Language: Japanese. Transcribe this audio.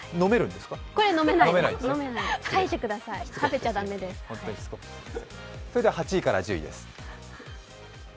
それでは８位から１０位です。